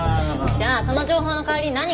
じゃあその情報の代わりに何くれるの？